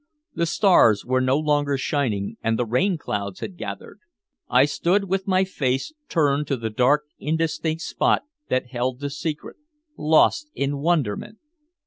The stars were no longer shining and the rain clouds had gathered. I stood with my face turned to the dark indistinct spot that held the secret, lost in wonderment.